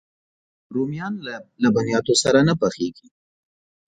رومیان له لبنیاتو سره نه پخېږي